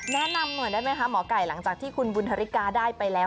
แนะนำหน่อยได้ไหมคะหมอไก่หลังจากที่คุณบุญธริกาได้ไปแล้ว